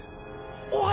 おい！